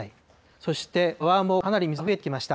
そして川もかなり水が増えてきました。